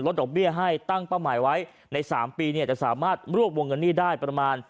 ดอกเบี้ยให้ตั้งเป้าหมายไว้ใน๓ปีเนี่ยจะสามารถรวบวงเงินหนี้ได้ประมาณ